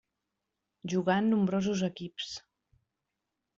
Jugà en nombrosos equips.